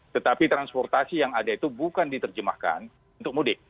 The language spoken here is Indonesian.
tetapi transportasi yang ada itu bukan diterjemahkan